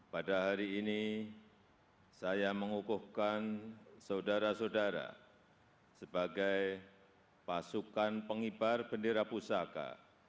pada hari ini saya mengukuhkan saudara saudara sebagai pasukan pengibar bendera pusaka